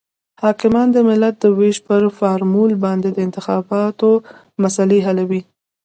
حاکمیان د ملت د وېش پر فارمول باندې د انتخاباتو مسلې حلوي.